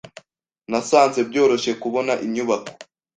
Nasanze byoroshye kubona inyubako.